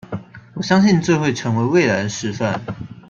我相信這會成為未來的示範